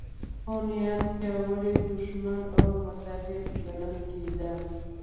هونیان پیاوړی دښمن او متحد ګڼل کېده